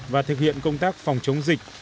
và thực hiện công tác phòng chống dịch